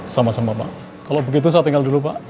sama sama pak kalau begitu saya tinggal dulu pak